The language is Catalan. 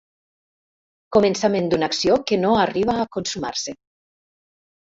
Començament d'una acció que no arriba a consumar-se.